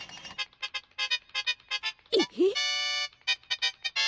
えっ？